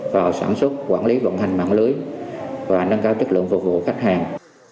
vào sản xuất quản lý vận hành mạng lưới và nâng cao chất lượng phục vụ khách hàng